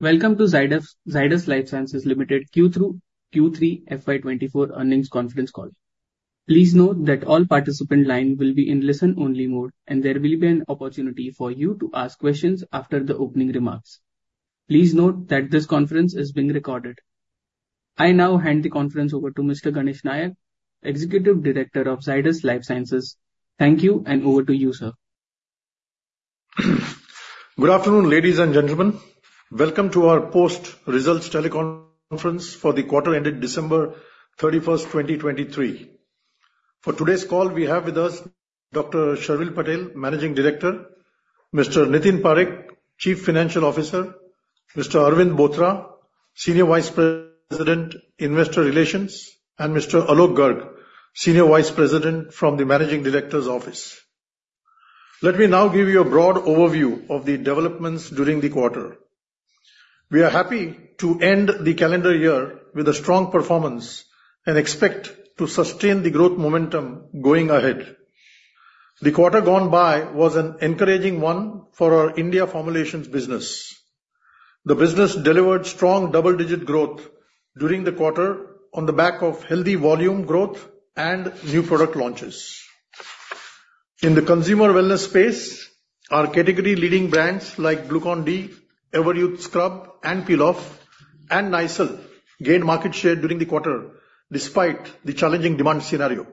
Welcome to Zydus Lifesciences Limited Q3/FY24 Earnings Conference Call. Please note that all participant lines will be in listen-only mode, and there will be an opportunity for you to ask questions after the opening remarks. Please note that this conference is being recorded. I now hand the conference over to Mr. Ganesh Nayak, Executive Director of Zydus Lifesciences. Thank you, and over to you, sir. Good afternoon, ladies and gentlemen. Welcome to our post-results teleconference for the quarter-ended December 31, 2023. For today's call, we have with us Dr. Sharvil Patel, Managing Director, Mr. Nitin Parekh, Chief Financial Officer, Mr. Arvind Bothra, Senior Vice President, Investor Relations, and Mr. Alok Garg, Senior Vice President from the Managing Director's Office. Let me now give you a broad overview of the developments during the quarter. We are happy to end the calendar year with a strong performance and expect to sustain the growth momentum going ahead. The quarter gone by was an encouraging one for our India formulations business. The business delivered strong double-digit growth during the quarter on the back of healthy volume growth and new product launches. In the consumer wellness space, our category-leading brands like Glucon-D, Everyuth Scrub and Peel Off, and Nycil gained market share during the quarter despite the challenging demand scenario.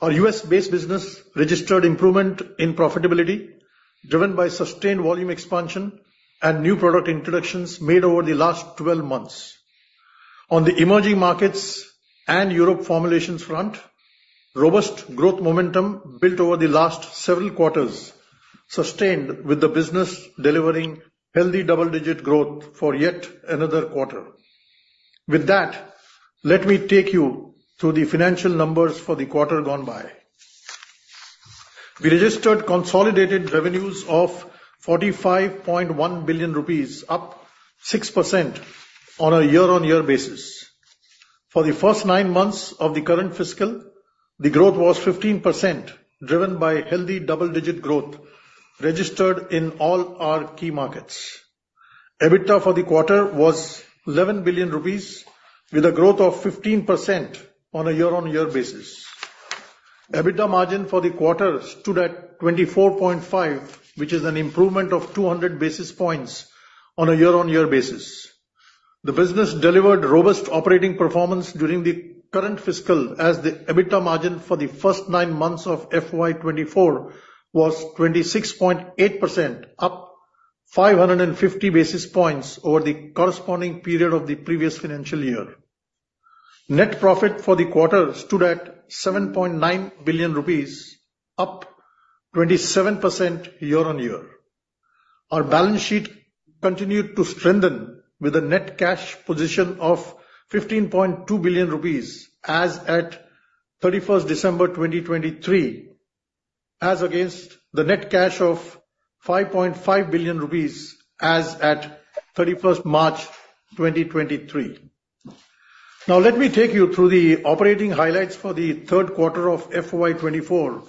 Our US-based business registered improvement in profitability driven by sustained volume expansion and new product introductions made over the last 12 months. On the emerging markets and Europe formulations front, robust growth momentum built over the last several quarters sustained with the business delivering healthy double-digit growth for yet another quarter. With that, let me take you through the financial numbers for the quarter gone by. We registered consolidated revenues of 45.1 billion rupees, up 6% on a year-on-year basis. For the first nine months of the current fiscal, the growth was 15% driven by healthy double-digit growth registered in all our key markets. EBITDA for the quarter was 11 billion rupees, with a growth of 15% on a year-on-year basis. EBITDA margin for the quarter stood at 24.5%, which is an improvement of 200 basis points on a year-on-year basis. The business delivered robust operating performance during the current fiscal as the EBITDA margin for the first nine months of FY24 was 26.8%, up 550 basis points over the corresponding period of the previous financial year. Net profit for the quarter stood at 7.9 billion rupees, up 27% year-on-year. Our balance sheet continued to strengthen with a net cash position of 15.2 billion rupees as at 31 December 2023, against the net cash of 5.5 billion rupees as at 31 March 2023. Now, let me take you through the operating highlights for the third quarter of FY24.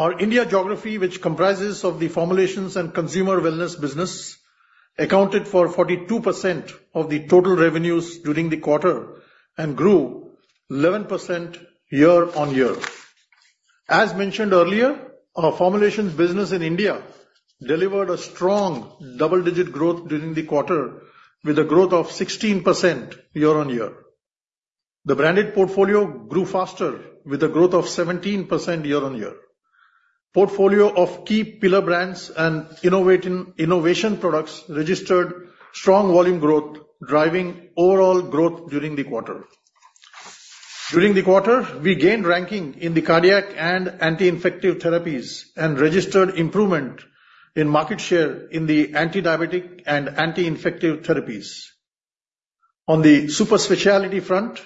Our India geography, which comprises the formulations and consumer wellness business, accounted for 42% of the total revenues during the quarter and grew 11% year-on-year. As mentioned earlier, our formulations business in India delivered a strong double-digit growth during the quarter with a growth of 16% year-on-year. The branded portfolio grew faster with a growth of 17% year-on-year. Portfolio of key pillar brands and innovation products registered strong volume growth, driving overall growth during the quarter. During the quarter, we gained ranking in the cardiac and anti-infective therapies and registered improvement in market share in the antidiabetic and anti-infective therapies. On the specialty front,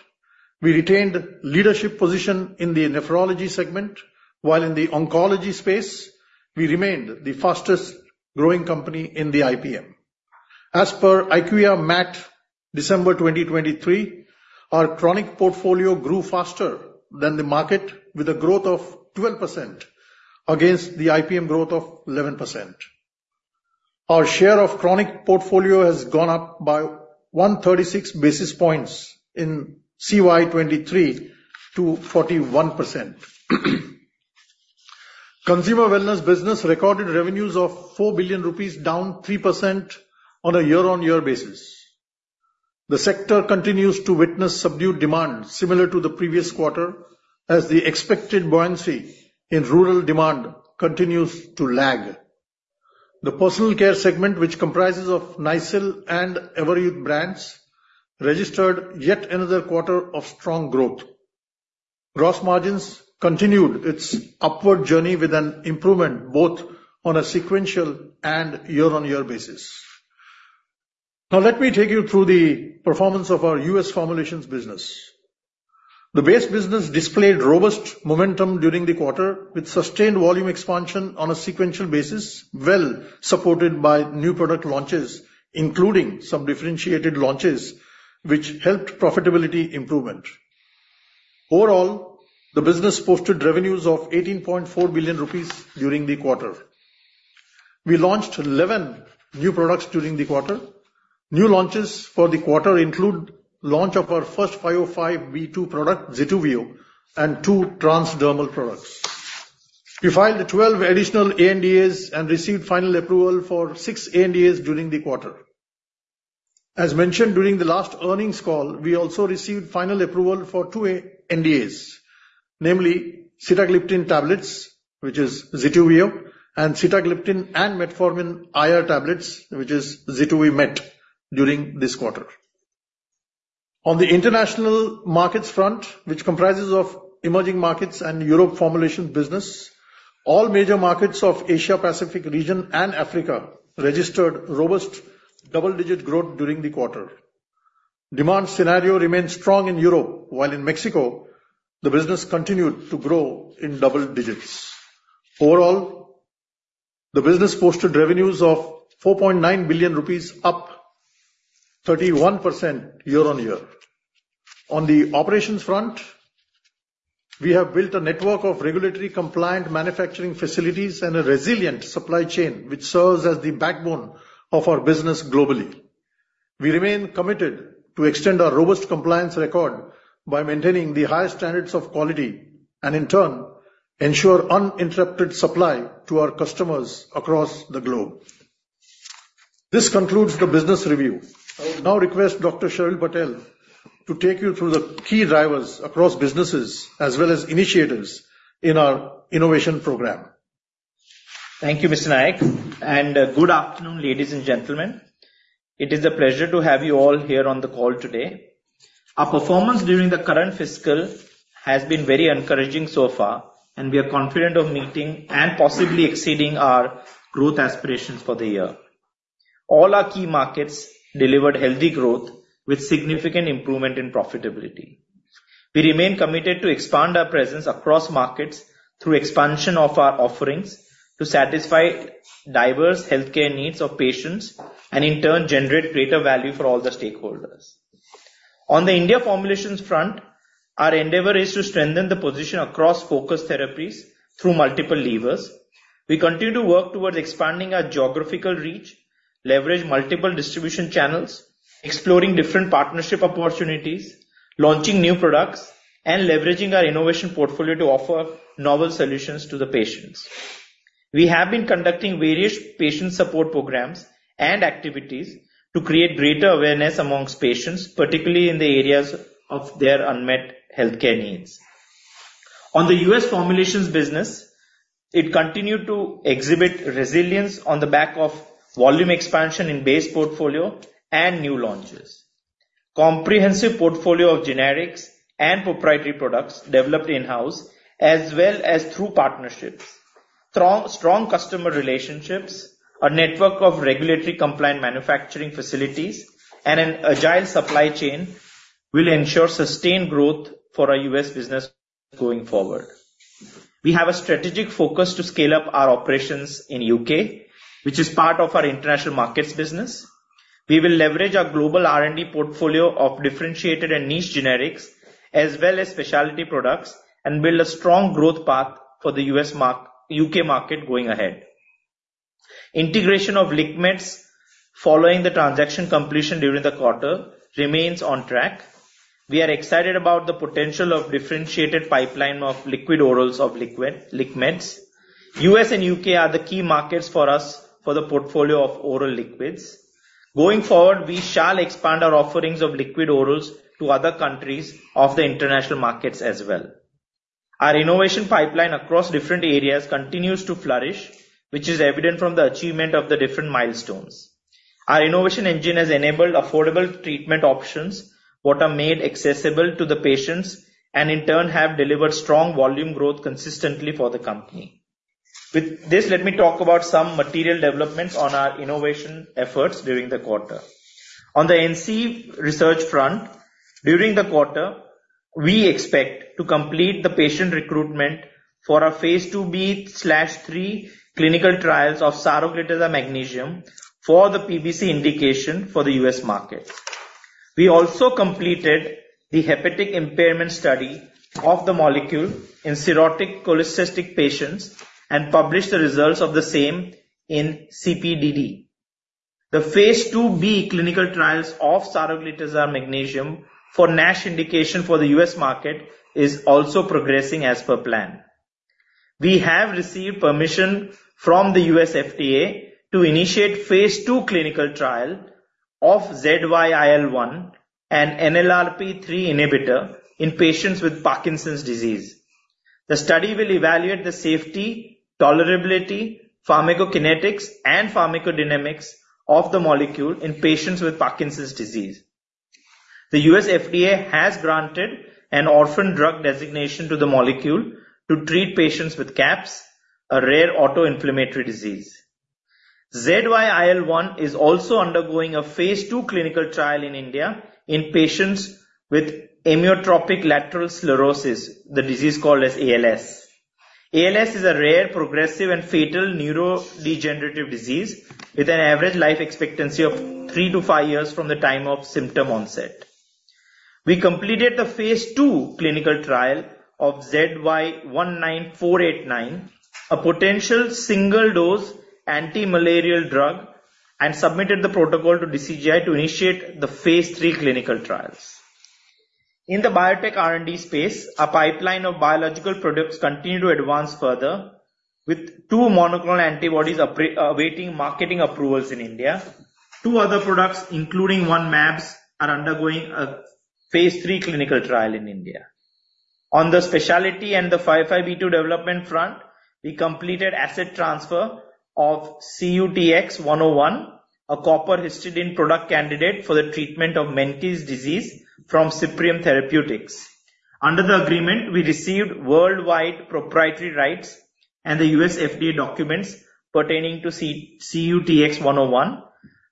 we retained leadership position in the nephrology segment, while in the oncology space, we remained the fastest growing company in the IPM. As per IQVIA MAT December 2023, our chronic portfolio grew faster than the market with a growth of 12% against the IPM growth of 11%. Our share of chronic portfolio has gone up by 136 basis points in CY23 to 41%. Consumer wellness business recorded revenues of 4 billion rupees, down 3% on a year-on-year basis. The sector continues to witness subdued demand similar to the previous quarter as the expected buoyancy in rural demand continues to lag. The personal care segment, which comprises Nycil and Everyuth brands, registered yet another quarter of strong growth. Gross margins continued its upward journey with an improvement both on a sequential and year-on-year basis. Now, let me take you through the performance of our US formulations business. The base business displayed robust momentum during the quarter with sustained volume expansion on a sequential basis, well supported by new product launches, including some differentiated launches which helped profitability improvement. Overall, the business posted revenues of 18.4 billion rupees during the quarter. We launched 11 new products during the quarter. New launches for the quarter include launch of our first 505(b)(2) product, Zituvio, and two transdermal products. We filed 12 additional ANDAs and received final approval for 6 ANDAs during the quarter. As mentioned during the last earnings call, we also received final approval for 2 ANDAs, namely sitagliptin tablets, which is Zituvio, and sitagliptin and metformin IR tablets, which is Zituvimet during this quarter. On the international markets front, which comprises emerging markets and Europe formulations business, all major markets of Asia-Pacific region and Africa registered robust double-digit growth during the quarter. Demand scenario remained strong in Europe, while in Mexico, the business continued to grow in double digits. Overall, the business posted revenues of 4.9 billion rupees, up 31% year-on-year. On the operations front, we have built a network of regulatory compliant manufacturing facilities and a resilient supply chain which serves as the backbone of our business globally. We remain committed to extend our robust compliance record by maintaining the highest standards of quality and, in turn, ensure uninterrupted supply to our customers across the globe. This concludes the business review. I would now request Dr. Sharvil Patel to take you through the key drivers across businesses as well as initiatives in our innovation program. Thank you, Mr. Nayak. Good afternoon, ladies and gentlemen. It is a pleasure to have you all here on the call today. Our performance during the current fiscal has been very encouraging so far, and we are confident of meeting and possibly exceeding our growth aspirations for the year. All our key markets delivered healthy growth with significant improvement in profitability. We remain committed to expand our presence across markets through expansion of our offerings to satisfy diverse healthcare needs of patients and, in turn, generate greater value for all the stakeholders. On the India formulations front, our endeavor is to strengthen the position across focused therapies through multiple levers. We continue to work towards expanding our geographical reach, leverage multiple distribution channels, exploring different partnership opportunities, launching new products, and leveraging our innovation portfolio to offer novel solutions to the patients. We have been conducting various patient support programs and activities to create greater awareness among patients, particularly in the areas of their unmet healthcare needs. On the U.S. formulations business, it continued to exhibit resilience on the back of volume expansion in base portfolio and new launches. Comprehensive portfolio of generics and proprietary products developed in-house as well as through partnerships. Strong customer relationships, a network of regulatory compliant manufacturing facilities, and an agile supply chain will ensure sustained growth for our U.S. business going forward. We have a strategic focus to scale up our operations in the U.K., which is part of our international markets business. We will leverage our global R&D portfolio of differentiated and niche generics as well as specialty products and build a strong growth path for the U.K. market going ahead. Integration of LiqMeds following the transaction completion during the quarter remains on track. We are excited about the potential of differentiated pipeline of liquid orals of LiqMeds. U.S. and U.K. are the key markets for us for the portfolio of oral liquids. Going forward, we shall expand our offerings of liquid orals to other countries of the international markets as well. Our innovation pipeline across different areas continues to flourish, which is evident from the achievement of the different milestones. Our innovation engine has enabled affordable treatment options that are made accessible to the patients and, in turn, have delivered strong volume growth consistently for the company. With this, let me talk about some material developments on our innovation efforts during the quarter. On the NCE research front, during the quarter, we expect to complete the patient recruitment for our Phase IIb/III clinical trials of saroglitazide magnesium for the PBC indication for the U.S. market. We also completed the hepatic impairment study of the molecule in cirrhotic cholestatic patients and published the results of the same in CPDD. The phase IIb clinical trials of saroglitazide magnesium for NASH indication for the US market are also progressing as per plan. We have received permission from the US FDA to initiate phase II clinical trial of ZYIL-1, an NLRP3 inhibitor, in patients with Parkinson's disease. The study will evaluate the safety, tolerability, pharmacokinetics, and pharmacodynamics of the molecule in patients with Parkinson's disease. The US FDA has granted an orphan drug designation to the molecule to treat patients with CAPS, a rare autoinflammatory disease. ZYIL-1 is also undergoing a phase II clinical trial in India in patients with amyotrophic lateral sclerosis, the disease called ALS. ALS is a rare, progressive, and fatal neurodegenerative disease with an average life expectancy of three to five years from the time of symptom onset. We completed the phase II clinical trial of ZY19489, a potential single-dose antimalarial drug, and submitted the protocol to DCGI to initiate the phase III clinical trials. In the biotech R&D space, a pipeline of biological products continues to advance further, with two monoclonal antibodies awaiting marketing approvals in India. Two other products, including RabiMabs, are undergoing a phase III clinical trial in India. On the specialty and the 505(b)(2) development front, we completed asset transfer of CUTX-101, a copper histidinate product candidate for the treatment of Menkes disease from Cyprium Therapeutics. Under the agreement, we received worldwide proprietary rights and the US FDA documents pertaining to CUTX-101.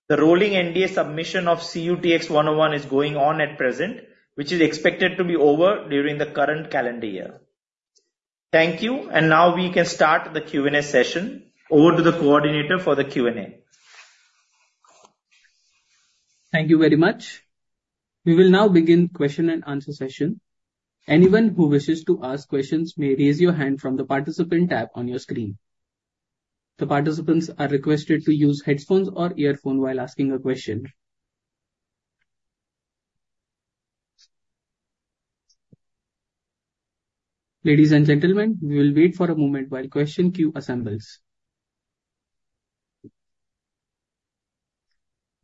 The rolling NDA submission of CUTX-101 is going on at present, which is expected to be over during the current calendar year. Thank you. Now we can start the Q&A session. Over to the coordinator for the Q&A. Thank you very much. We will now begin the question-and-answer session. Anyone who wishes to ask questions may raise your hand from the participant tab on your screen. The participants are requested to use headphones or earphones while asking a question. Ladies and gentlemen, we will wait for a moment while the question queue assembles.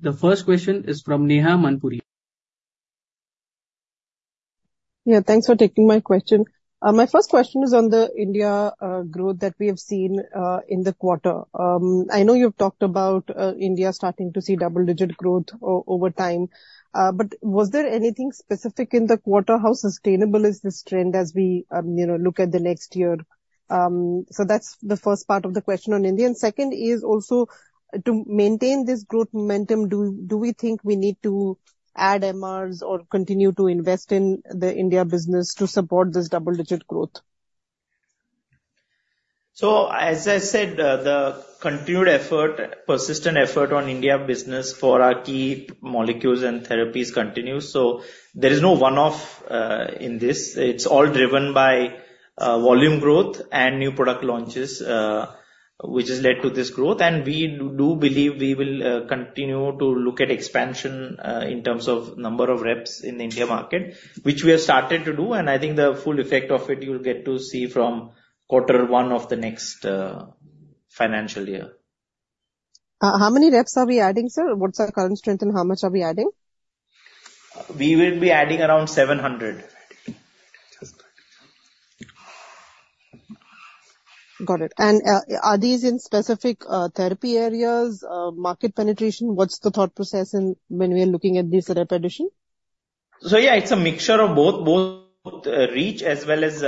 The first question is from Neha Manpuria. Yeah. Thanks for taking my question. My first question is on the India growth that we have seen in the quarter. I know you've talked about India starting to see double-digit growth over time. But was there anything specific in the quarter? How sustainable is this trend as we look at the next year? So that's the first part of the question on India. And second is also, to maintain this growth momentum, do we think we need to add MRs or continue to invest in the India business to support this double-digit growth? So as I said, the continued effort, persistent effort on India business for our key molecules and therapies continues. So there is no one-off in this. It's all driven by volume growth and new product launches, which has led to this growth. And we do believe we will continue to look at expansion in terms of number of reps in the India market, which we have started to do. And I think the full effect of it, you'll get to see from quarter one of the next financial year. How many reps are we adding, sir? What's our current strength, and how much are we adding? We will be adding around 700. Got it. Are these in specific therapy areas, market penetration? What's the thought process when we are looking at this rep addition? So yeah, it's a mixture of both, both reach as well as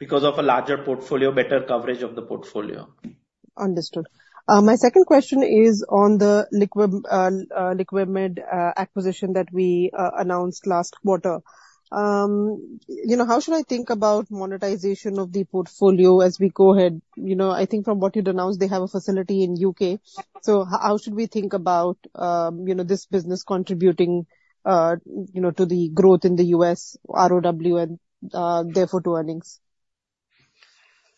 because of a larger portfolio, better coverage of the portfolio. Understood. My second question is on the LiqMeds acquisition that we announced last quarter. How should I think about monetization of the portfolio as we go ahead? I think from what you'd announced, they have a facility in the UK. So how should we think about this business contributing to the growth in the US, ROW, and therefore to earnings?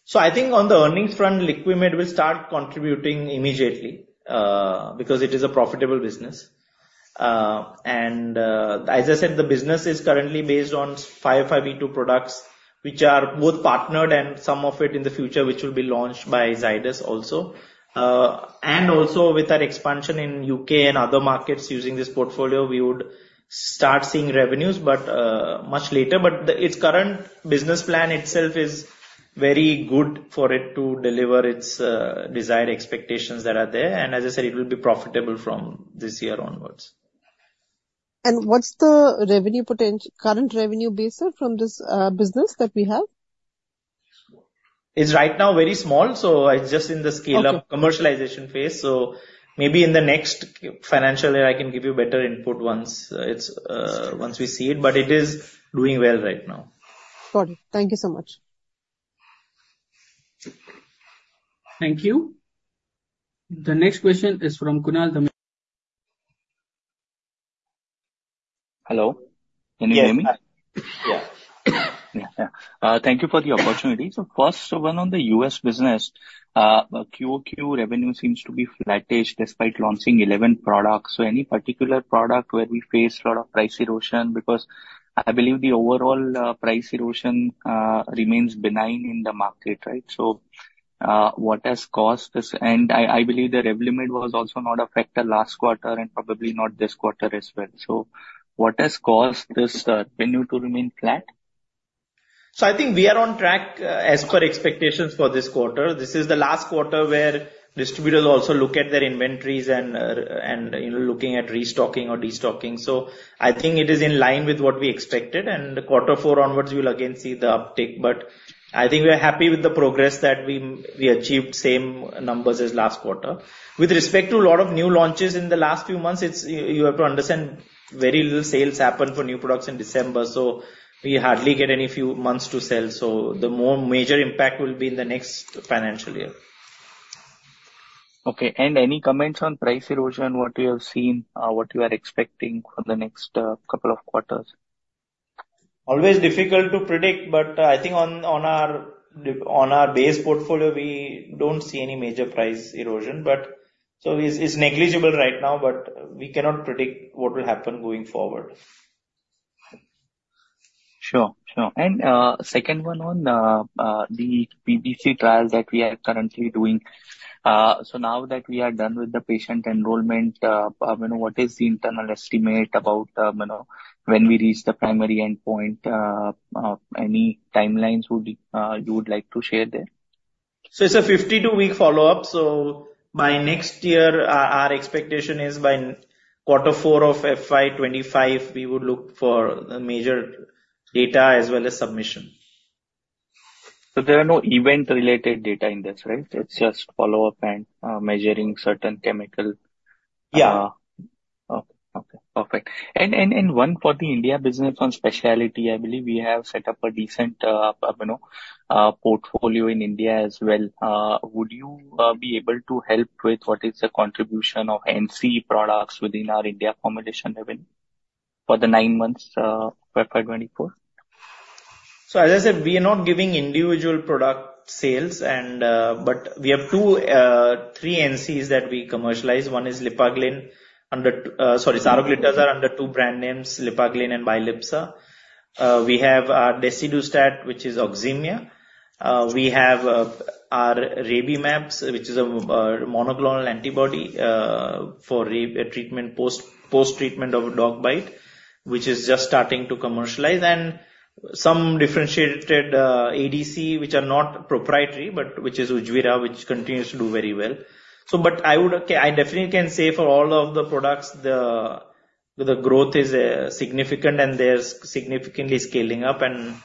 So I think on the earnings front, LiqMeds will start contributing immediately because it is a profitable business. And as I said, the business is currently based on 505(b)(2) products, which are both partnered and some of it in the future, which will be launched by Zydus also. And also, with our expansion in the UK and other markets using this portfolio, we would start seeing revenues much later. But its current business plan itself is very good for it to deliver its desired expectations that are there. And as I said, it will be profitable from this year onwards. What's the current revenue base, sir, from this business that we have? It's right now very small. So it's just in the scale-up commercialization phase. So maybe in the next financial year, I can give you better input once we see it. But it is doing well right now. Got it. Thank you so much. Thank you. The next question is from Kunal Dhamesha. Hello? Can you hear me? Yes. Yeah. Yeah. Thank you for the opportunity. So first, one on the US business, QOQ revenue seems to be flattish despite launching 11 products. So any particular product where we faced a lot of price erosion? Because I believe the overall price erosion remains benign in the market, right? So what has caused this? And I believe the Revlimid was also not a factor last quarter and probably not this quarter as well. So what has caused this revenue to remain flat? So I think we are on track as per expectations for this quarter. This is the last quarter where distributors also look at their inventories and looking at restocking or destocking. So I think it is in line with what we expected. And quarter four onwards, we'll again see the uptick. But I think we are happy with the progress that we achieved, same numbers as last quarter. With respect to a lot of new launches in the last few months, you have to understand very little sales happen for new products in December. So we hardly get any few months to sell. So the more major impact will be in the next financial year. Okay. Any comments on price erosion, what you have seen, what you are expecting for the next couple of quarters? Always difficult to predict. I think on our base portfolio, we don't see any major price erosion. So it's negligible right now, but we cannot predict what will happen going forward. Sure. Sure. Second one on the PBC trials that we are currently doing. So now that we are done with the patient enrollment, what is the internal estimate about when we reach the primary endpoint? Any timelines you would like to share there? It's a 52-week follow-up. By next year, our expectation is by quarter four of FY2025, we would look for major data as well as submission. There are no event-related data in this, right? It's just follow-up and measuring certain chemical? Yeah. Okay. Okay. Perfect. And one for the India business on specialty, I believe we have set up a decent portfolio in India as well. Would you be able to help with what is the contribution of NCE products within our India formulation revenue for the nine months FY 2024? So as I said, we are not giving individual product sales. But we have three NCEs that we commercialize. One is Lipaglin. Sorry, saroglitazide is under two brand names, Lipaglin and Bylepsa. We have our desidustat, which is Oxemia. We have our RabiMabs, which is a monoclonal antibody for treatment post-treatment of dog bite, which is just starting to commercialize. And some differentiated ADC, which are not proprietary, but which is Ujvira, which continues to do very well. But I definitely can say for all of the products, the growth is significant, and they're significantly scaling up. And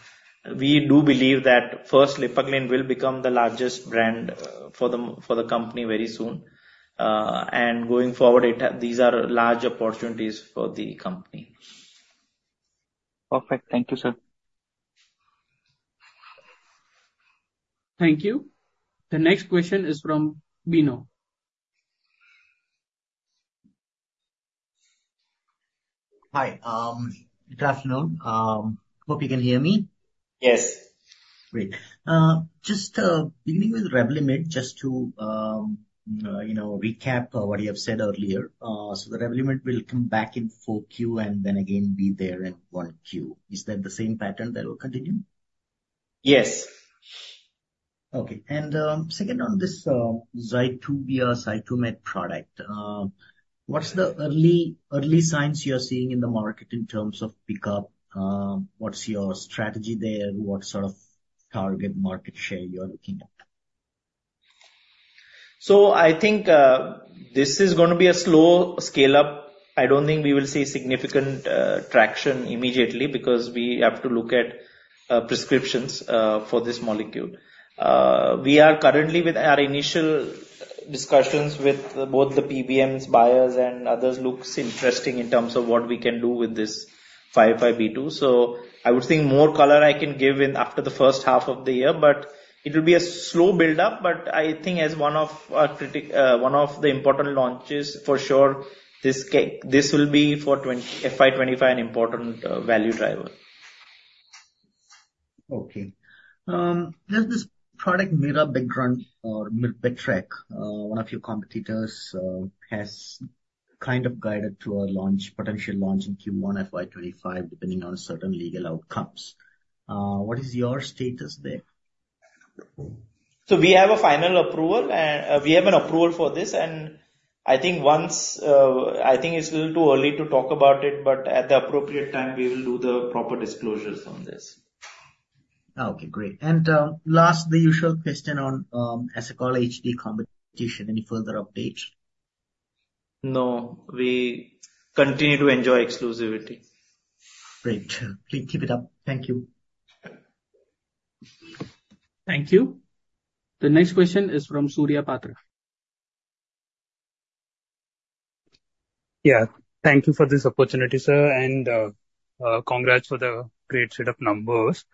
we do believe that, first, Lipaglin will become the largest brand for the company very soon. And going forward, these are large opportunities for the company. Perfect. Thank you, sir. Thank you. The next question is from Bino. Hi. Good afternoon. Hope you can hear me. Yes. Great. Just beginning with Revlimid, just to recap what you have said earlier. So the Revlimid will come back in four queues and then again be there in one queue. Is that the same pattern that will continue? Yes. Okay. Second on this Zydus Lifesciences product, what's the early signs you're seeing in the market in terms of pickup? What's your strategy there? What sort of target market share you're looking at? So I think this is going to be a slow scale-up. I don't think we will see significant traction immediately because we have to look at prescriptions for this molecule. We are currently with our initial discussions with both the PBMs, buyers, and others look interesting in terms of what we can do with this 505(b)(2). So I would think more color I can give after the first half of the year. But it will be a slow buildup. But I think as one of the important launches, for sure, this will be for FY25 an important value driver. Okay. Does this product, mirabegron or Myrbetriq, one of your competitors, has kind of guided to a potential launch in Q1 FY25 depending on certain legal outcomes? What is your status there? We have a final approval. We have an approval for this. I think it's a little too early to talk about it. At the appropriate time, we will do the proper disclosures on this. Okay. Great. And last, the usual question on Asacol HD competition, any further updates? No. We continue to enjoy exclusivity. Great. Please keep it up. Thank you. Thank you. The next question is from Surya Patra. Yeah. Thank you for this opportunity, sir. Congrats for the great set of numbers.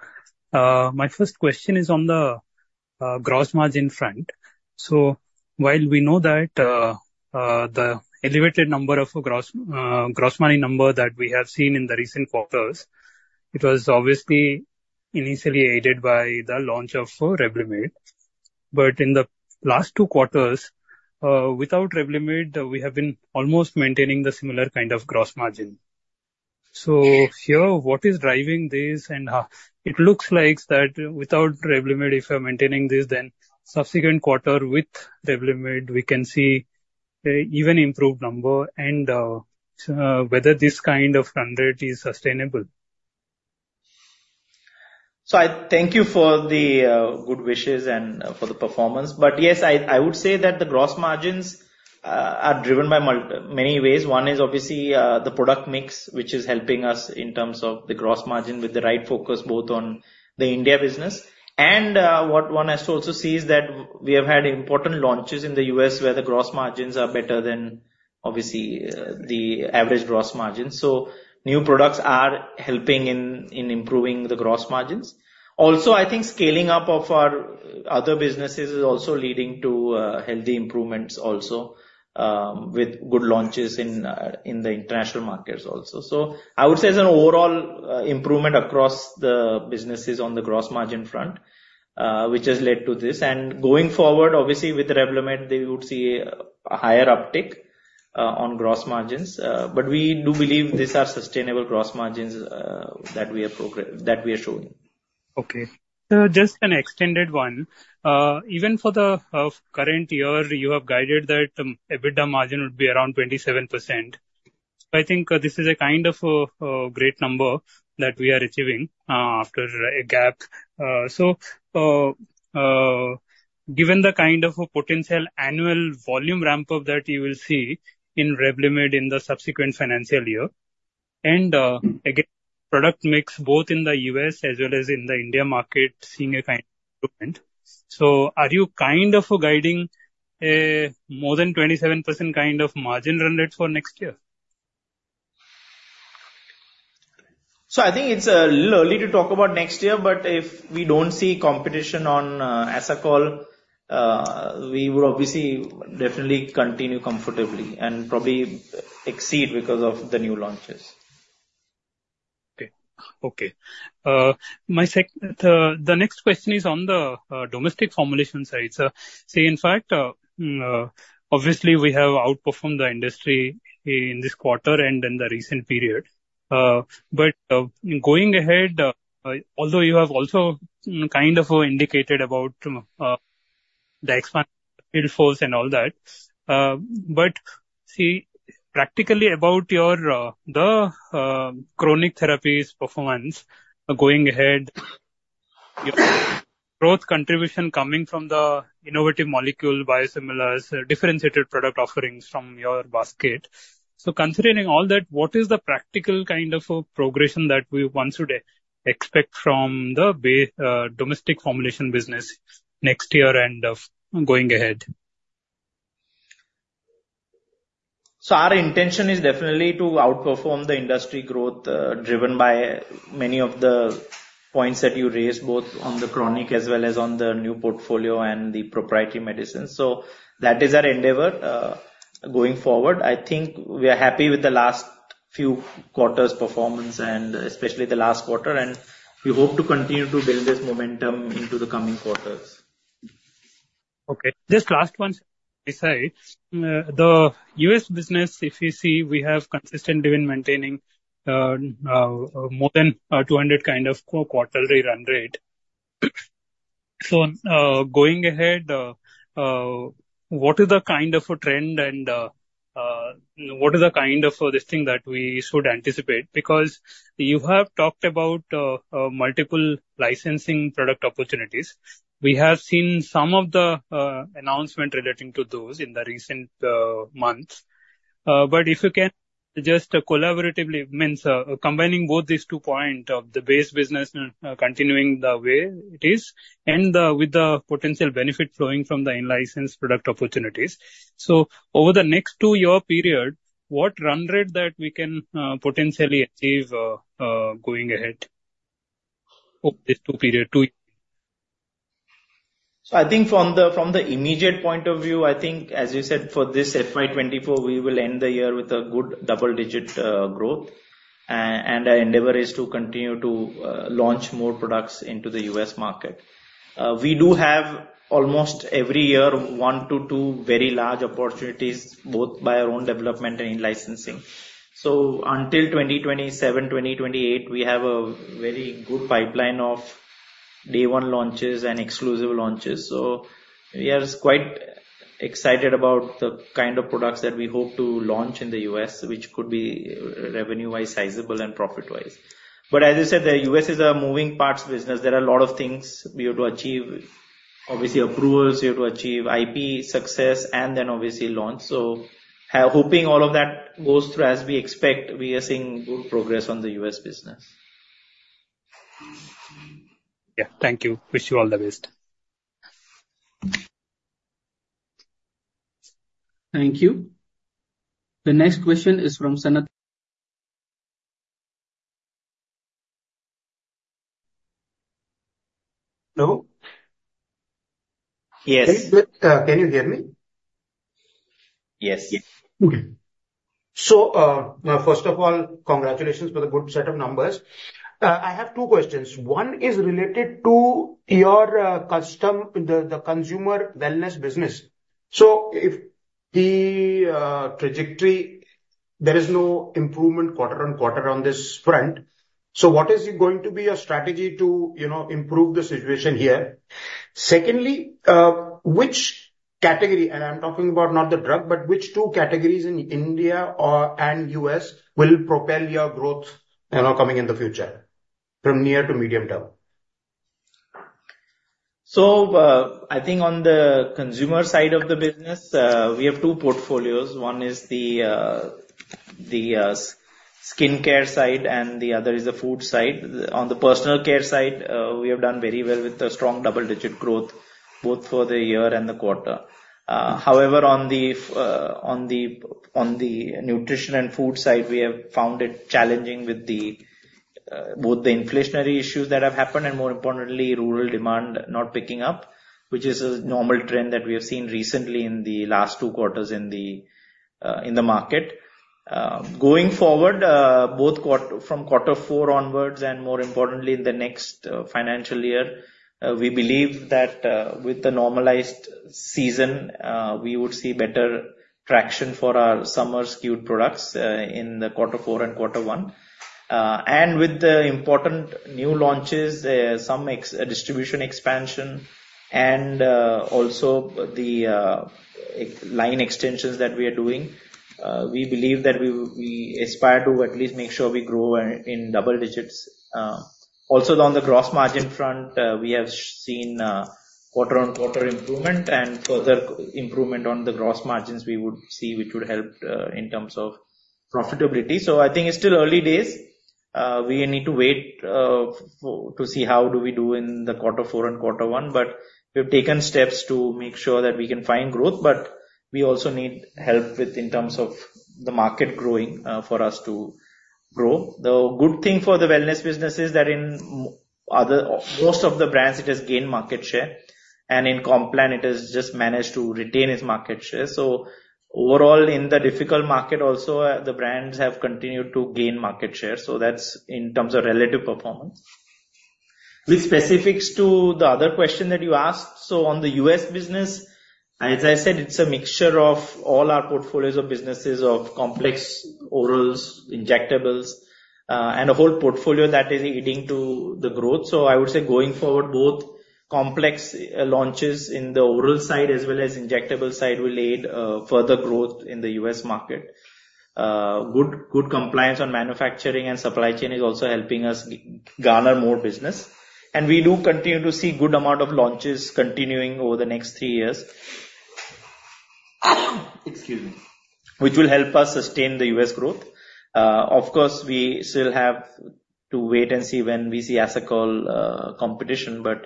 My first question is on the gross margin front. While we know that the elevated gross margin number that we have seen in the recent quarters, it was obviously initially aided by the launch of Revlimid. But in the last two quarters, without Revlimid, we have been almost maintaining the similar kind of gross margin. So here, what is driving this? And it looks like that without Revlimid, if we are maintaining this, then subsequent quarter with Revlimid, we can see even improved number and whether this kind of run rate is sustainable. So thank you for the good wishes and for the performance. But yes, I would say that the gross margins are driven by many ways. One is obviously the product mix, which is helping us in terms of the gross margin with the right focus both on the India business. And what one has to also see is that we have had important launches in the U.S. where the gross margins are better than obviously the average gross margin. So new products are helping in improving the gross margins. Also, I think scaling up of our other businesses is also leading to healthy improvements also with good launches in the international markets also. So I would say it's an overall improvement across the businesses on the gross margin front, which has led to this. And going forward, obviously, with Revlimid, we would see a higher uptick on gross margins. But we do believe these are sustainable gross margins that we are showing. Okay. So just an extended one. Even for the current year, you have guided that EBITDA margin would be around 27%. So I think this is a kind of a great number that we are achieving after a gap. So given the kind of a potential annual volume ramp-up that you will see in Revlimid in the subsequent financial year and, again, product mix both in the U.S. as well as in the India market seeing a kind of improvement, so are you kind of guiding a more than 27% kind of margin run rate for next year? I think it's a little early to talk about next year. But if we don't see competition on Asacol, we would obviously definitely continue comfortably and probably exceed because of the new launches. Okay. Okay. The next question is on the domestic formulation side. Say, in fact, obviously, we have outperformed the industry in this quarter and in the recent period. But going ahead, although you have also kind of indicated about the expansion force and all that, but see, practically about the chronic therapies performance going ahead, growth contribution coming from the innovative molecule, biosimilars, differentiated product offerings from your basket. So considering all that, what is the practical kind of progression that we want to expect from the domestic formulation business next year and going ahead? Our intention is definitely to outperform the industry growth driven by many of the points that you raised both on the chronic as well as on the new portfolio and the proprietary medicines. That is our endeavor going forward. I think we are happy with the last few quarters' performance and especially the last quarter. We hope to continue to build this momentum into the coming quarters. Okay. Just last one, sir. Besides the US business, if you see, we have consistently been maintaining more than 200 kind of quarterly run rate. So going ahead, what is the kind of trend and what is the kind of this thing that we should anticipate? Because you have talked about multiple licensing product opportunities. We have seen some of the announcements relating to those in the recent months. But if you can just elaborate, meaning combining both these two points of the base business continuing the way it is and with the potential benefit flowing from the in-license product opportunities. So over the next 2-year period, what run rate that we can potentially achieve going ahead over this 2-year period, 2 years? I think from the immediate point of view, I think, as you said, for this FY 2024, we will end the year with a good double-digit growth. Our endeavor is to continue to launch more products into the U.S. market. We do have almost every year one to two very large opportunities both by our own development and in-licensing. Until 2027, 2028, we have a very good pipeline of day-one launches and exclusive launches. We are quite excited about the kind of products that we hope to launch in the U.S., which could be revenue-wise sizable and profit-wise. But as you said, the U.S. is a moving parts business. There are a lot of things we have to achieve. Obviously, approvals. We have to achieve IP success and then obviously launch. Hoping all of that goes through as we expect, we are seeing good progress on the U.S. business. Yeah. Thank you. Wish you all the best. Thank you. The next question is from Sanath. Hello? Yes. Can you hear me? Yes. Okay. So first of all, congratulations for the good set of numbers. I have two questions. One is related to the consumer wellness business. So if the trajectory, there is no improvement quarter-over-quarter on this front, so what is going to be your strategy to improve the situation here? Secondly, which category - and I'm talking about not the drug - but which two categories in India and U.S. will propel your growth coming in the future from near to medium term? So I think on the consumer side of the business, we have two portfolios. One is the skincare side, and the other is the food side. On the personal care side, we have done very well with a strong double-digit growth both for the year and the quarter. However, on the nutrition and food side, we have found it challenging with both the inflationary issues that have happened and, more importantly, rural demand not picking up, which is a normal trend that we have seen recently in the last two quarters in the market. Going forward, both from quarter four onwards and, more importantly, in the next financial year, we believe that with the normalized season, we would see better traction for our summer skewed products in the quarter four and quarter one. With the important new launches, some distribution expansion, and also the line extensions that we are doing, we believe that we aspire to at least make sure we grow in double digits. Also, on the gross margin front, we have seen quarter-on-quarter improvement. Further improvement on the gross margins, we would see, which would help in terms of profitability. So I think it's still early days. We need to wait to see how do we do in the quarter four and quarter one. We have taken steps to make sure that we can find growth. We also need help in terms of the market growing for us to grow. The good thing for the wellness business is that in most of the brands, it has gained market share. In Complan, it has just managed to retain its market share. Overall, in the difficult market also, the brands have continued to gain market share. That's in terms of relative performance. With specifics to the other question that you asked, so on the U.S. business, as I said, it's a mixture of all our portfolios of businesses of complex orals, injectables, and a whole portfolio that is aiding to the growth. I would say going forward, both complex launches in the oral side as well as injectable side will aid further growth in the U.S. market. Good compliance on manufacturing and supply chain is also helping us garner more business. We do continue to see a good amount of launches continuing over the next three years, which will help us sustain the U.S. growth. Of course, we still have to wait and see when we see Asacol competition. But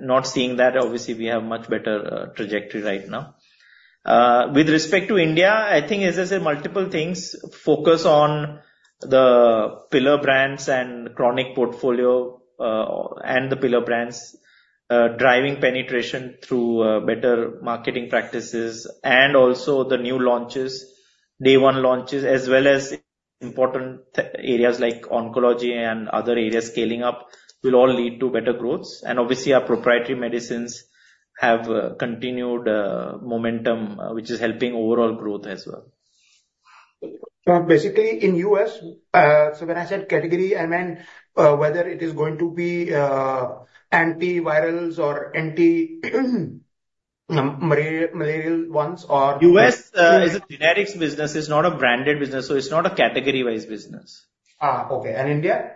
not seeing that, obviously, we have a much better trajectory right now. With respect to India, I think, as I said, multiple things. Focus on the pillar brands and chronic portfolio and the pillar brands driving penetration through better marketing practices. And also the new launches, day-one launches, as well as important areas like oncology and other areas scaling up will all lead to better growths. And obviously, our proprietary medicines have continued momentum, which is helping overall growth as well. So basically, in U.S. so when I said category, I meant whether it is going to be antivirals or antimalarial ones or. U.S. is a generics business. It's not a branded business. So it's not a category-wise business. Okay. And India?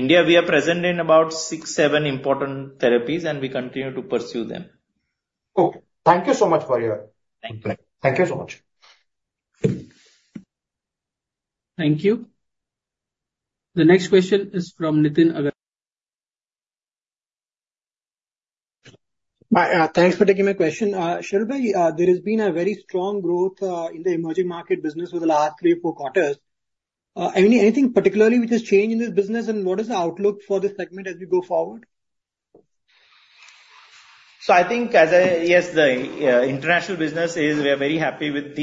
India, we are present in about six, seven important therapies, and we continue to pursue them. Okay. Thank you so much for your. Thank you. Thank you so much. Thank you. The next question is from Nitin Agarwal. Thanks for taking my question. Sharvil Patel, there has been a very strong growth in the emerging market business within the last three or four quarters. Anything particularly which has changed in this business, and what is the outlook for this segment as we go forward? So I think, yes, the international business is we are very happy with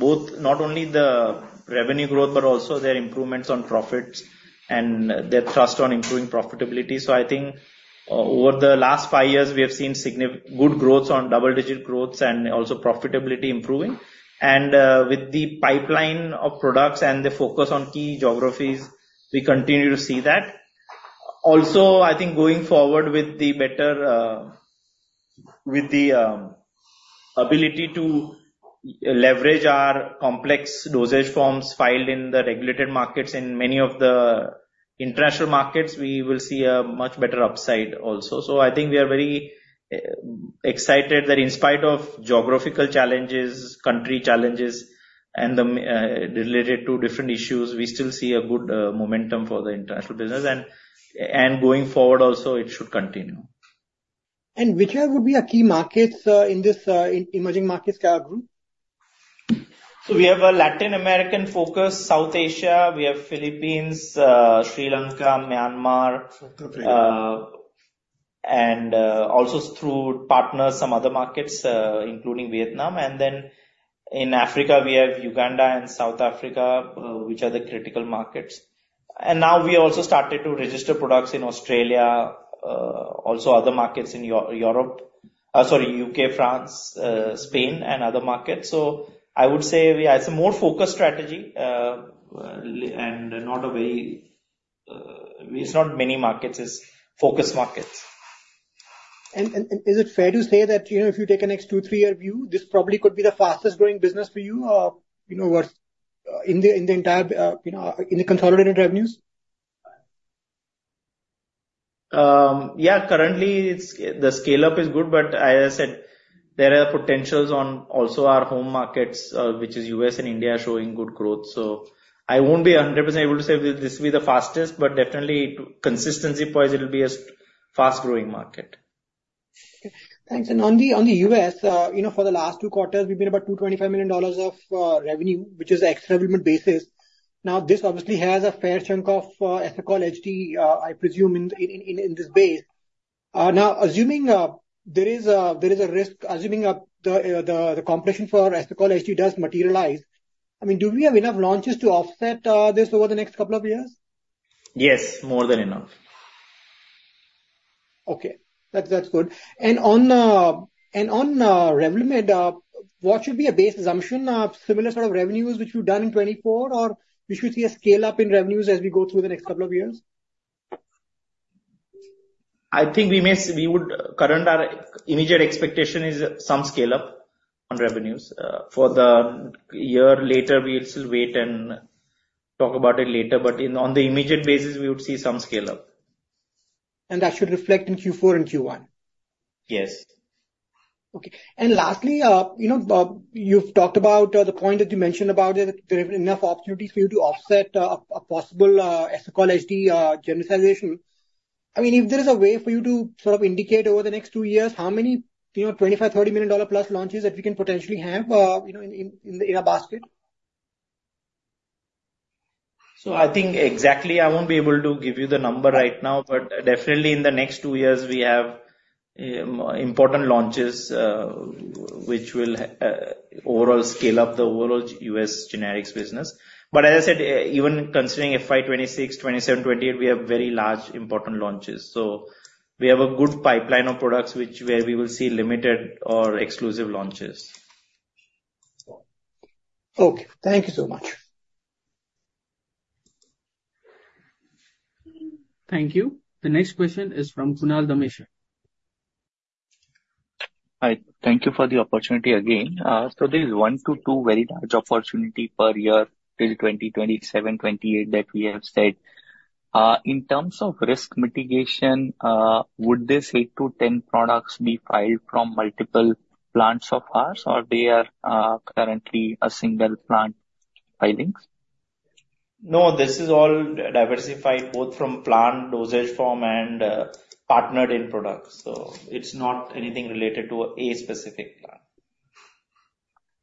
both not only the revenue growth but also their improvements on profits and their thrust on improving profitability. So I think over the last five years, we have seen good growth in double-digit growth and also profitability improving. And with the pipeline of products and the focus on key geographies, we continue to see that. Also, I think going forward with the ability to leverage our complex dosage forms filed in the regulated markets, in many of the international markets, we will see a much better upside also. So I think we are very excited that in spite of geographical challenges, country challenges, and related to different issues, we still see a good momentum for the international business. And going forward also, it should continue. Which would be key markets in this emerging markets group? So we have a Latin American focus, South Asia. We have Philippines, Sri Lanka, Myanmar, and also through partners, some other markets including Vietnam. And then in Africa, we have Uganda and South Africa, which are the critical markets. And now we also started to register products in Australia, also other markets in Europe, sorry, UK, France, Spain, and other markets. So I would say it's a more focused strategy and not a very it's not many markets. It's focused markets. Is it fair to say that if you take a next 2-3-year view, this probably could be the fastest-growing business for you in the entire consolidated revenues? Yeah. Currently, the scale-up is good. But as I said, there are potentials on also our home markets, which is U.S. and India, showing good growth. So I won't be 100% able to say this will be the fastest, but definitely, consistency-wise, it'll be a fast-growing market. Okay. Thanks. And on the U.S., for the last two quarters, we've made about $225 million of revenue, which is an excellent basis. Now, this obviously has a fair chunk of Asacol HD, I presume, in this base. Now, assuming there is a risk the competition for Asacol HD does materialize, I mean, do we have enough launches to offset this over the next couple of years? Yes, more than enough. Okay. That's good. And on revenue mix, what should be a base assumption, similar sort of revenues, which we've done in 2024, or we should see a scale-up in revenues as we go through the next couple of years? I think our current immediate expectation is some scale-up on revenues. For the year later, we'll still wait and talk about it later. But on the immediate basis, we would see some scale-up. That should reflect in Q4 and Q1? Yes. Okay. And lastly, you've talked about the point that you mentioned about it, that there have been enough opportunities for you to offset a possible Asacol HD genericization. I mean, if there is a way for you to sort of indicate over the next two years how many $25 million, $30 million-plus launches that we can potentially have in a basket? So I think exactly, I won't be able to give you the number right now. But definitely, in the next two years, we have important launches which will overall scale up the overall U.S. generics business. But as I said, even considering FY2026, 2027, 2028, we have very large, important launches. So we have a good pipeline of products where we will see limited or exclusive launches. Okay. Thank you so much. Thank you. The next question is from Kunal Dhamesha. Hi. Thank you for the opportunity again. So there is 1-2 very large opportunities per year till 2027, 2028 that we have said. In terms of risk mitigation, would these 8-10 products be filed from multiple plants of ours, or they are currently a single plant filings? No, this is all diversified both from plant dosage form and partnered-in products. So it's not anything related to a specific plant.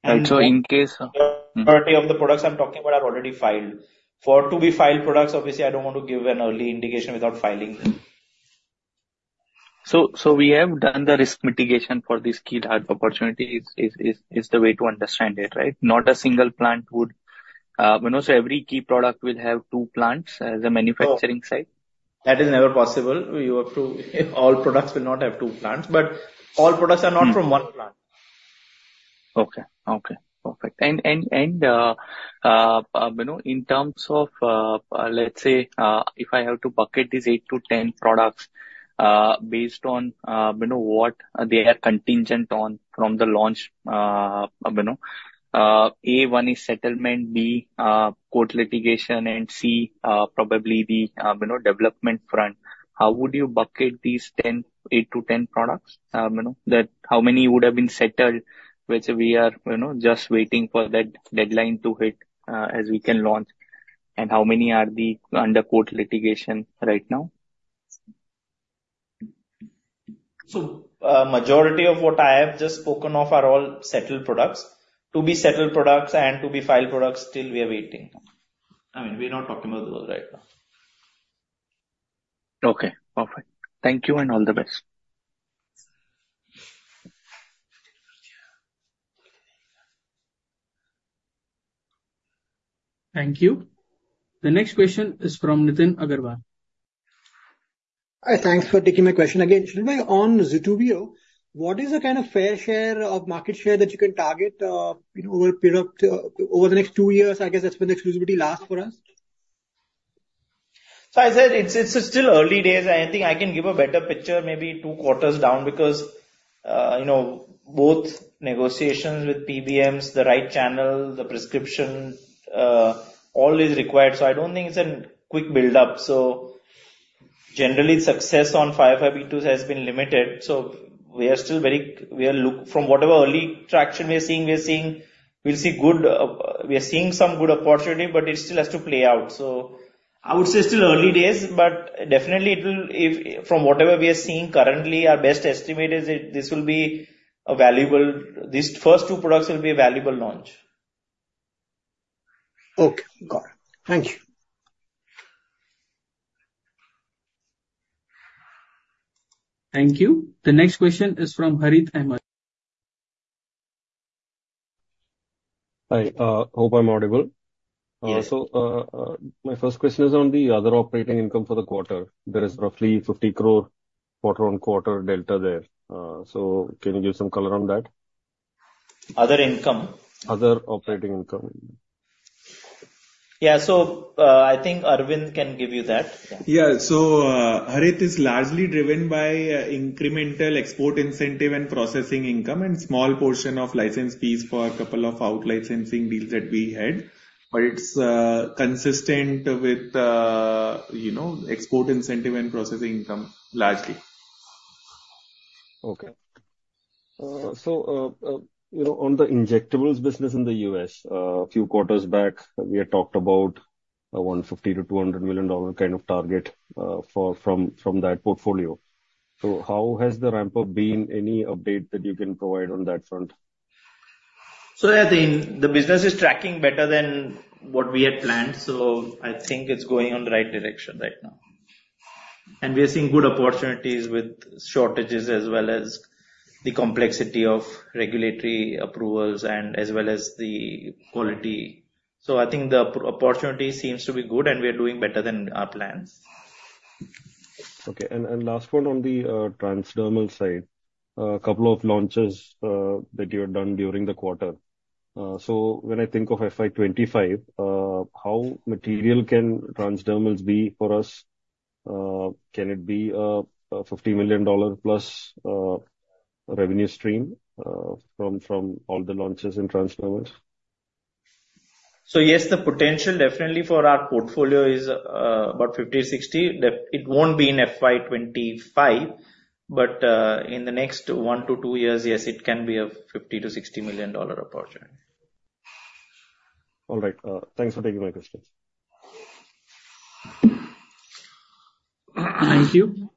Right. So in case. 30 of the products I'm talking about are already filed. For to be filed products, obviously, I don't want to give an early indication without filing them. So we have done the risk mitigation for these key large opportunities is the way to understand it, right? Not a single plant would, so every key product will have two plants as a manufacturing site? That is never possible. All products will not have two plants. But all products are not from one plant. Okay. Okay. Perfect. And in terms of, let's say, if I have to bucket these 8-10 products based on what they are contingent on from the launch, A, one is settlement, B, court litigation, and C, probably the development front, how would you bucket these 8-10 products? How many would have been settled, which we are just waiting for that deadline to hit as we can launch? And how many are under court litigation right now? Majority of what I have just spoken of are all settled products. To be settled products and to be filed products, still we are waiting. I mean, we are not talking about those right now. Okay. Perfect. Thank you, and all the best. Thank you. The next question is from Nitin Agarwal. Hi. Thanks for taking my question again. Sharvil Patel, on Zydus Lifesciences, what is the kind of fair share of market share that you can target over the next two years? I guess that's when the exclusivity lasts for us. So as I said, it's still early days. I think I can give a better picture maybe two quarters down because both negotiations with PBMs, the right channel, the prescription, all is required. So I don't think it's a quick buildup. So generally, success on 505(b)(2)s has been limited. So we are still very from whatever early traction we are seeing, we'll see good we are seeing some good opportunity, but it still has to play out. So I would say still early days. But definitely, from whatever we are seeing currently, our best estimate is that this will be a valuable these first two products will be a valuable launch. Okay. Got it. Thank you. Thank you. The next question is from Harith Ahamed. Hi. Hope I'm audible. So my first question is on the other operating income for the quarter. There is roughly 50 crore quarter-on-quarter delta there. So can you give some color on that? Other income? Other operating income. Yeah. So I think Arvind can give you that. Yeah. Yeah. So Harith is largely driven by incremental export incentive and processing income and small portion of license fees for a couple of outlicensing deals that we had. But it's consistent with export incentive and processing income, largely. Okay. So on the injectables business in the U.S., a few quarters back, we had talked about a $150-$200 million kind of target from that portfolio. So how has the ramp-up been? Any update that you can provide on that front? I think the business is tracking better than what we had planned. I think it's going in the right direction right now. We are seeing good opportunities with shortages as well as the complexity of regulatory approvals and as well as the quality. I think the opportunity seems to be good, and we are doing better than our plans. Okay. And last one on the transdermal side, a couple of launches that you had done during the quarter. So when I think of FY25, how material can transdermals be for us? Can it be a $50 million-plus revenue stream from all the launches and transdermals? So yes, the potential definitely for our portfolio is about 50-60. It won't be in FY25. But in the next 1-2 years, yes, it can be a $50-$60 million opportunity. All right. Thanks for taking my questions. Thank you.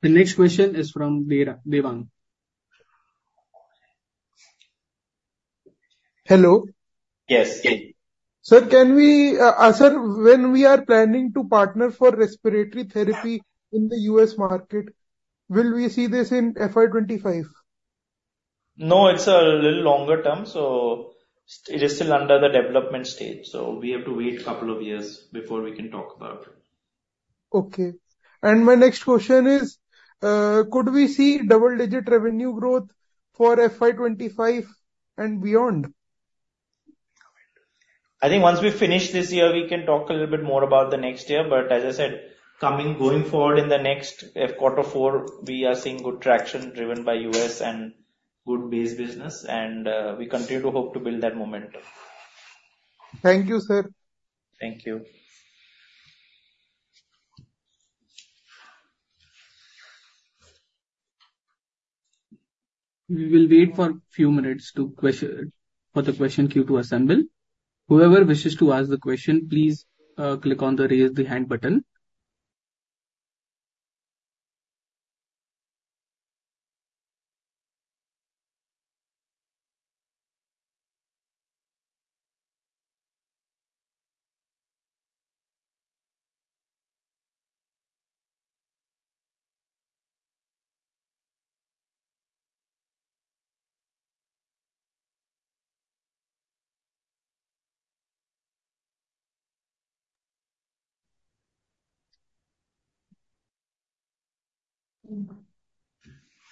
The next question is from Devang. Hello? Yes. Sir, when we are planning to partner for respiratory therapy in the U.S. market, will we see this in FY25? No, it's a little longer term. It is still under the development stage. We have to wait a couple of years before we can talk about it. Okay. My next question is, could we see double-digit revenue growth for FY25 and beyond? I think once we finish this year, we can talk a little bit more about the next year. But as I said, going forward in the next quarter four, we are seeing good traction driven by U.S. and good base business. And we continue to hope to build that momentum. Thank you, sir. Thank you. We will wait for a few minutes for the question queue to assemble. Whoever wishes to ask the question, please click on the raise the hand button.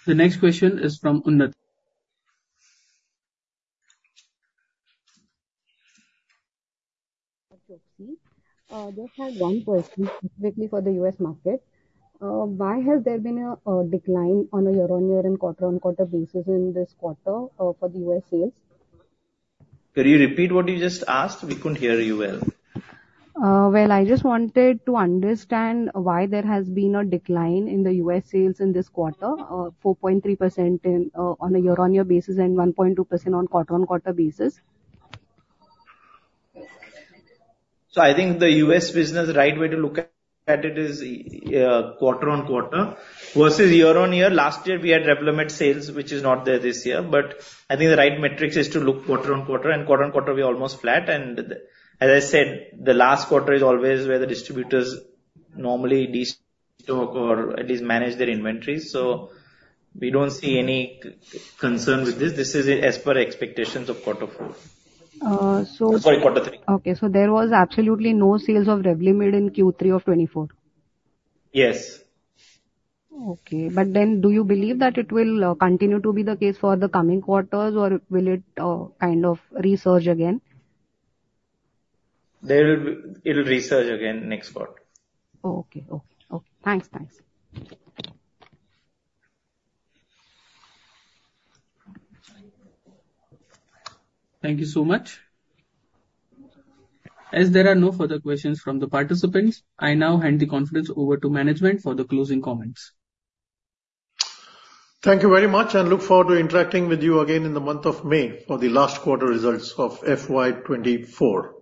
The next question is from Unnati Jadhav, just have one question specifically for the US market Why has there been a decline on a year-over-year and quarter-over-quarter basis in this quarter for the US sales? Can you repeat what you just asked? We couldn't hear you well. Well, I just wanted to understand why there has been a decline in the U.S. sales in this quarter, 4.3% on a year-over-year basis and 1.2% on quarter-over-quarter basis. So I think the US business, the right way to look at it is quarter-over-quarter versus year-on-year. Last year, we had Revlimid sales, which is not there this year. But I think the right metrics is to look quarter-over-quarter. And quarter-over-quarter, we are almost flat. And as I said, the last quarter is always where the distributors normally destock or at least manage their inventories. So we don't see any concern with this. This is as per expectations of quarter four. So. Sorry, quarter three. Okay. So there was absolutely no sales of Revlimid in Q3 of 2024? Yes. Okay. But then do you believe that it will continue to be the case for the coming quarters, or will it kind of resurge again? It'll resurge again next quarter. Okay. Okay. Okay. Thanks. Thanks. Thank you so much. As there are no further questions from the participants, I now hand the conference over to management for the closing comments. Thank you very much. Look forward to interacting with you again in the month of May for the last quarter results of FY2024.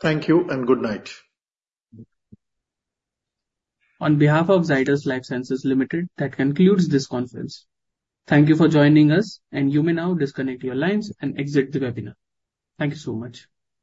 Thank you, and good night. On behalf of Zydus Lifesciences Limited, that concludes this conference. Thank you for joining us. You may now disconnect your lines and exit the webinar. Thank you so much.